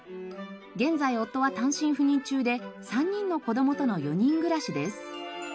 現在夫は単身赴任中で３人の子供との４人暮らしです。